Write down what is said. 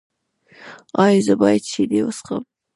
ایا زه باید شیدې وڅښم؟